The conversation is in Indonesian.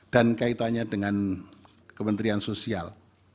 dan kaitannya dengan kementerian sosial